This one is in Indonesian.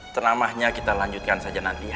tenamanya kita lanjutkan saja nanti ya